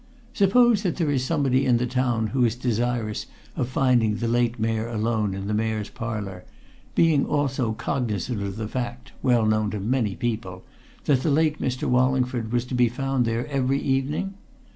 Suppose that there is somebody in the town who is desirous of finding the late Mayor alone in the Mayor's Parlour, being also cognizant of the fact well known to many people that the late Mr. Wallingford was to be found there every evening?